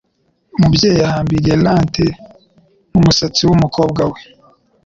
Umubyeyi yahambiriye lente mu musatsi wumukobwa we.